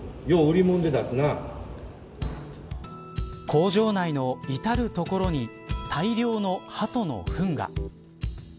工場内の至る所に大量のハトのふんが。